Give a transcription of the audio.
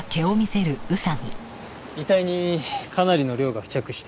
遺体にかなりの量が付着していた。